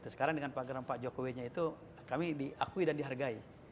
sekarang dengan program pak jokowinya itu kami diakui dan dihargai